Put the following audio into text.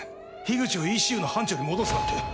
口をＥＣＵの班長に戻すなんて。